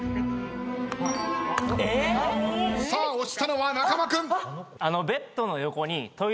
押したのは中間君。